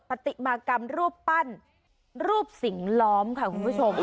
ปฏิมากรรมรูปปั้นรูปสิ่งล้อมค่ะคุณผู้ชม